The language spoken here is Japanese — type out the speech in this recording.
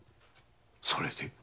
それで？